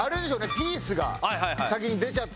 ピースが。